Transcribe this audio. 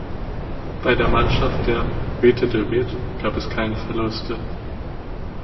Bei der Mannschaft der "Witte de Witt" gab es keine Verluste.